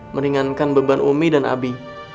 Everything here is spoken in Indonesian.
meringankan beban umi dan abi